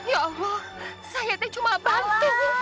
ya allah saya cuma bantuin